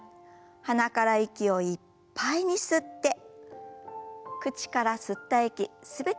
鼻から息をいっぱいに吸って口から吸った息全て吐き出しましょう。